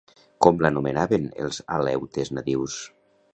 Com l'anomenaven els aleutes nadius?